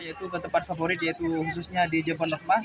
yaitu tempat favorit yaitu khususnya di jemaah umroh